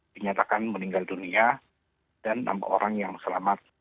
berangkatkan meninggal dunia dan nampak orang yang selamat